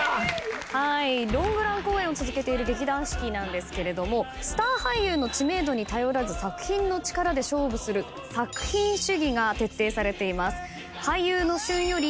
ロングラン公演を続けている劇団四季なんですけれどもスター俳優の知名度に頼らず作品の力で勝負する作品主義が徹底されています。